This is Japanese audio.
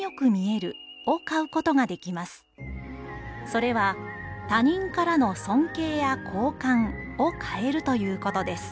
それは他人からの尊敬や好感を買えるということです。